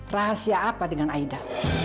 rahasia apa dengan aida